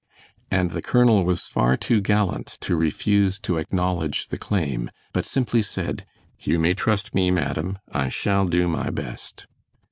And the colonel was far too gallant to refuse to acknowledge the claim, but simply said: "You may trust me, madam; I shall do my best."